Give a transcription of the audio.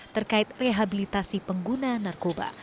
terkait rehabilitasi pengguna narkoba